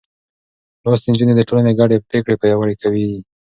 لوستې نجونې د ټولنې ګډې پرېکړې پياوړې کوي.